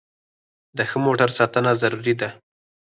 د ښه موټر ساتنه ضروري ده.